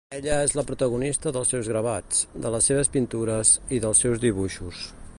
Ella és la protagonista dels seus gravats, de les seves pintures i dels seus dibuixos.